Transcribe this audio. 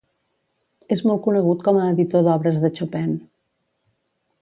És molt conegut com a editor d'obres de Chopin.